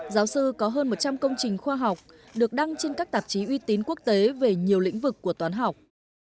giáo sư có hơn một trăm linh công trình khoa học được đăng trên các tạp chí uy tín quốc tế về nhiều lĩnh vực của toán học